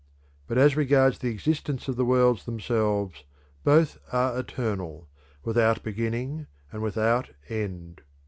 But as regards the existence of the worlds themselves, both are eternal, without beginning and without end.